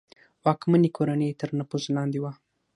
واکمنې کورنۍ تر نفوذ لاندې وه.